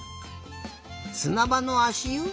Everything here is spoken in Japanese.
すなばのあしゆ？